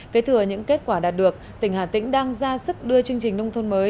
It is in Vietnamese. kế thừa những kết quả đạt được tỉnh hà tĩnh đang ra sức đưa chương trình nông thôn mới